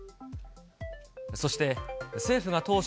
そして、政府が当初、